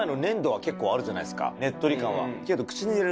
ねっとり感はけど。